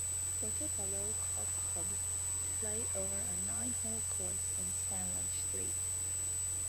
Portobello Golf Club play over a nine-hole course in Stanley Street.